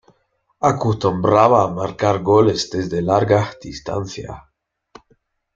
Acostumbraba a marcar goles desde largas distancias.